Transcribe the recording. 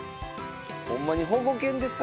ホンマに保護犬ですか？